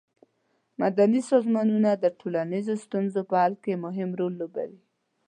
مدني سازمانونه د ټولنیزو ستونزو په حل کې مهم رول لوبوي.